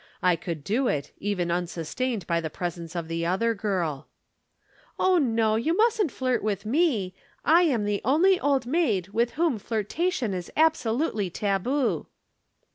I could do it, even unsustained by the presence of the other girl." "Oh, no! You must not flirt with me. I am the only Old Maid with whom flirtation is absolutely taboo."